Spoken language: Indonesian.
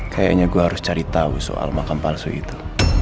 kayaknya gue harus cari tahu soal makam palsu itu